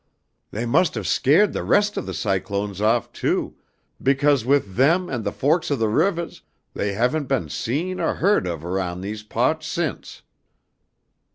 "They must have scahd the res' of the cyclones off, too, becawse with them and the forks of the rivahs, they haven't been seen or heahd of aroun' these pahts since."